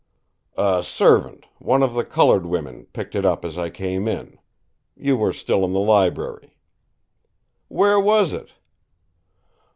"A servant, one of the coloured women, picked it up as I came in. You were still in the library." "Where was it?"